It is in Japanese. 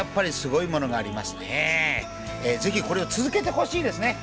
ぜひこれを続けてほしいですね